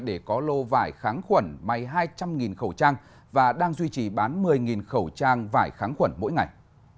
để có lô vải kháng khuẩn may hai trăm linh khẩu trang và đang duy trì bán một mươi khẩu trang vải kháng khuẩn mỗi ngày